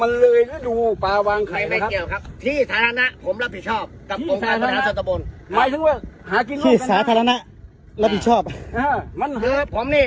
มาเลยดูปลาวางไข่มาเกี่ยวครับที่สารนะผมรับผิดชอบกับพี่สารนะ